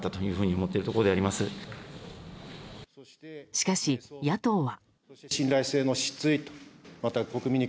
しかし、野党は。